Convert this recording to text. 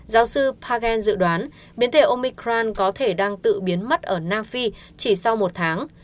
giáo sư pargen dự đoán biến thể omicran có thể đang tự biến mất ở nam phi chỉ sau một tháng